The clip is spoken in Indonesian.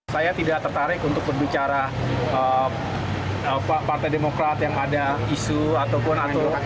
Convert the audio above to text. saya tidak tertarik untuk berbicara partai demokrat yang ada isu ataupun ada